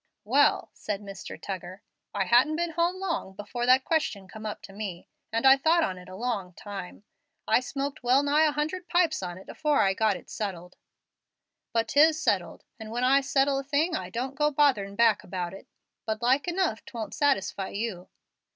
"Well," said Mr. Tuggar, "I hadn't been home long before that question come up to me, and I thought on it a long time. I smoked wellnigh a hundred pipes on it afore I got it settled, but 'tis settled, and when I settle a thing I don't go botherin' back about it. But like enough 'twon't satisfy you."